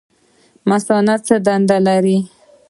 مثانه څه دنده لري؟